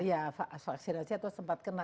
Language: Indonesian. iya vaksinasi atau sempat kena